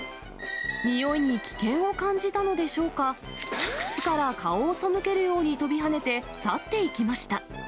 においに危険を感じたのでしょうか、靴から顔をそむけるように跳びはねて、去っていきました。